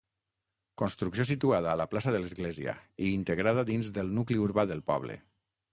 Construcció situada a la plaça de l'Església, i integrada dins del nucli urbà del poble.